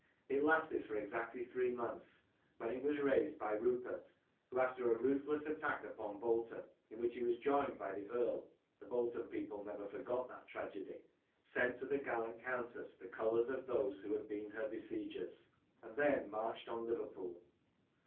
It lasted for exactly three months, when it was raised by Rupert, who, after a ruthless attack upon Bolton, in which he was joined by the Earl (the Bolton people never forgot that tragedy), sent to the gallant Countess the colours of those who had been her besiegers, and then marched on Liverpool.